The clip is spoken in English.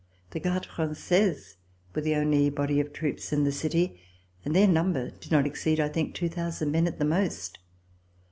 The Gardes Fran^aises were the only body of troops in the city, and their number did not exceed, I think, two thousand men at the most.